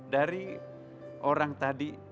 dari orang tadi